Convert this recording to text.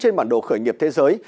trên bản đồ khởi nghiệp thế giới